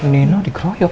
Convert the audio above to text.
nien tuh dikeroyok